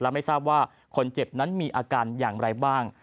ไม่ทราบว่าคนเจ็บนั้นมีอาการอย่างไรบ้าง